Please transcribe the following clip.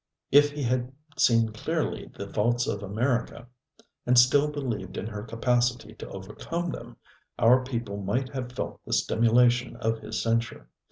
If he had seen clearly the faults of America, and still believed in her capacity to overcome them, our people might have felt the stimulation of his censure.